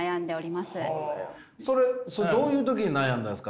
それそれどういう時に悩んだんすか？